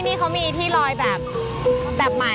มีความแจ่มใสนะครับ